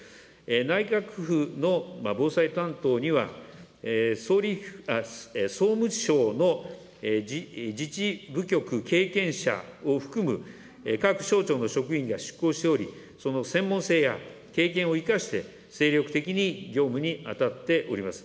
内閣府の防災担当には、総務省の自治部局経験者を含む各省庁の職員が出向しており、その専門性や経験を生かして、精力的に業務に当たっております。